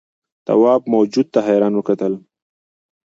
تواب موجود ته حیران وکتل.